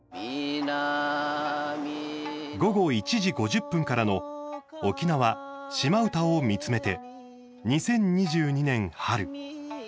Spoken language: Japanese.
午後１時５０分からの「沖縄島唄を見つめて２０２２年春」。